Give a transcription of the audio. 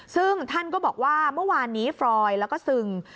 ซึ่งท่านก็บอกว่าเมื่อวานนี้ฟรอยแล้วก็ซึง